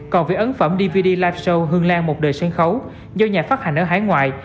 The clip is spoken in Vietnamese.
còn về ấn phẩm dvd live show hương lan một đời sân khấu do nhà phát hành ở hải ngoại